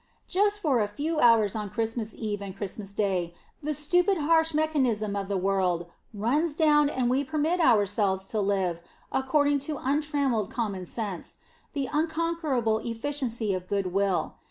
Just for a few hours on Christmas Eve and Christmas Day the stupid, harsh mechanism of the world runs down and we permit ourselves to live according to untrammeled common sense, the unconquerable efficiency of good will.